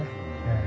ええ。